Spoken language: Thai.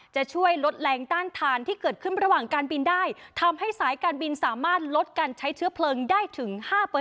จะช่วยลดแรงต้านทานที่เกิดขึ้นระหว่างการบินได้ทำให้สายการบินสามารถลดการใช้เชื้อเพลิงได้ถึง๕